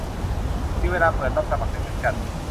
มีเวลาเปิดรับสมัครไม่เหมือนกัน